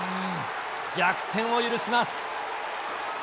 逆転を許します。